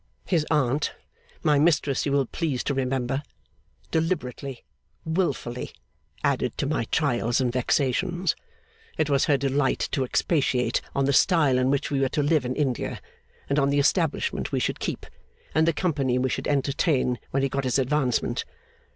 His aunt (my Mistress you will please to remember) deliberately, wilfully, added to my trials and vexations. It was her delight to expatiate on the style in which we were to live in India, and on the establishment we should keep, and the company we should entertain when he got his advancement.